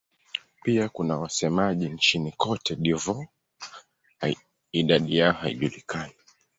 Pia kuna wasemaji nchini Cote d'Ivoire; idadi yao haijulikani.